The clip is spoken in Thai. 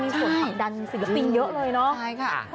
มีผลผลักดันศิลปิงเยอะเลยเนาะ